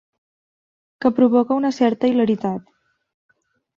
Que provoca una certa hilaritat.